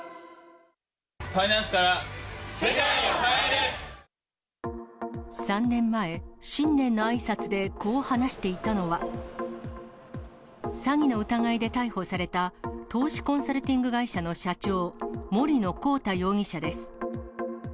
ファイナンスから世界を変え３年前、新年のあいさつでこう話していたのは、詐欺の疑いで逮捕された投資コンサルティング会社の社長、森野広太容疑者です。